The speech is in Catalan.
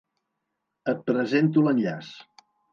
Et presento l'enllaç.